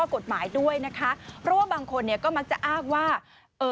กฎหมายด้วยนะคะเพราะว่าบางคนเนี่ยก็มักจะอ้างว่าเอ่อ